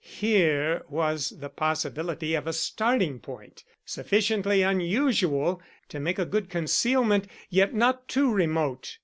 Here was the possibility of a starting point, sufficiently unusual to make a good concealment, yet not too remote.